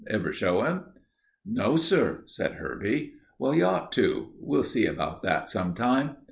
Ever show him?" "No, sir," said Herbie. "Well, you ought to. We'll see about that some time."